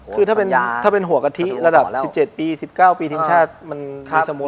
คือถ้าเป็นหัวกะทิระดับ๑๗ปี๑๙ปีที่สมโสร